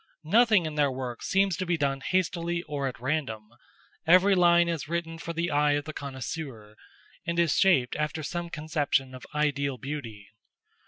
Nothing in their works seems to be done hastily or at random: every line is written for the eye of the connoisseur, and is shaped after some conception of ideal beauty.